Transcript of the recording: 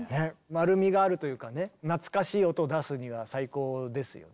丸みがあるというかね懐かしい音を出すには最高ですよね。